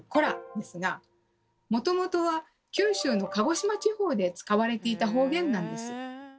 ですがもともとは九州の鹿児島地方で使われていた方言なんです。